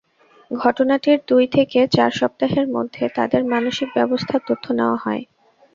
ঘটনাটির দুই থেকে চার সপ্তাহের মধ্যে তাঁদের মানসিক অবস্থার তথ্য নেওয়া হয়।